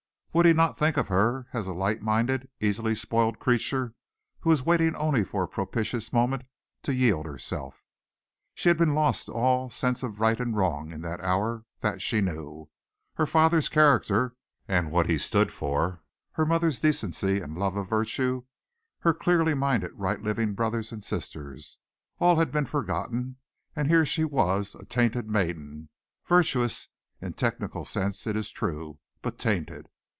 Would he not think of her as a light minded, easily spoiled creature who was waiting only for a propitious moment to yield herself? She had been lost to all sense of right and wrong in that hour, that she knew. Her father's character and what he stood for, her mother's decency and love of virtue, her cleanly minded, right living brothers and sisters, all had been forgotten and here she was, a tainted maiden, virtuous in technical sense it is true, but tainted.